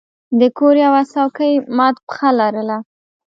د کور یوه څوکۍ مات پښه لرله.